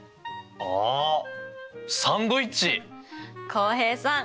浩平さん！